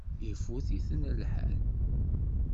Ifut-iten lḥal.